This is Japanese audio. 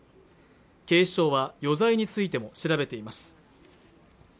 警視庁は余罪についても調べています